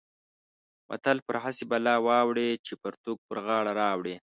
متل: پر هسې بلا واوړې چې پرتوګ پر غاړه راوړې.